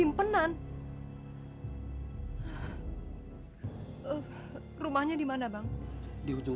makan dulu yuk